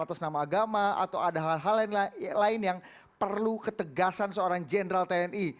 atas nama agama atau ada hal hal lain yang perlu ketegasan seorang jenderal tni